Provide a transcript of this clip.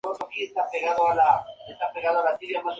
Carnívoros, se alimentan preferentemente de moluscos de concha dura.